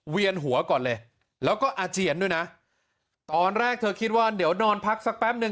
เวียนหัวก่อนเลยแล้วก็อาเจียนด้วยนะตอนแรกเธอคิดว่าเดี๋ยวนอนพักสักแป๊บหนึ่ง